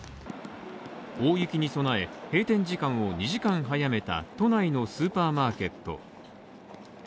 大雪に備え、閉店時間を２時間早めた都内のスーパーマーケット。